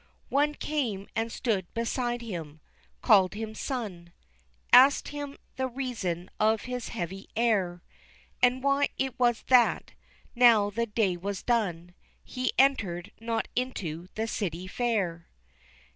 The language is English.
One came and stood beside him, called him son, Asked him the reason of his heavy air, And why it was that, now the day was done, He entered not into the city fair?